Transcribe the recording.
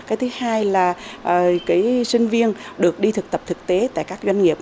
cái thứ hai là sinh viên được đi thực tập thực tế tại các doanh nghiệp